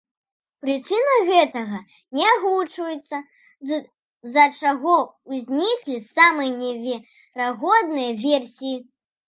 Прычыны гэтага не агучваюцца, з-за чаго ўзніклі самыя неверагодныя версіі.